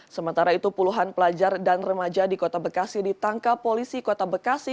sementara itu puluhan pelajar dan remaja di kota bekasi ditangkap polisi kota bekasi